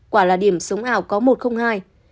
quả là điểm sống ảo có một không hai